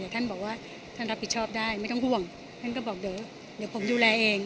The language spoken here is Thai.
ท่านบอกว่าท่านรับผิดชอบได้ไม่ต้องห่วงท่านก็บอกเดี๋ยวผมดูแลเอง